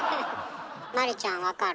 麻里ちゃん分かる？